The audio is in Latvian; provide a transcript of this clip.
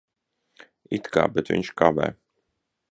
It kā. Bet viņš kavē.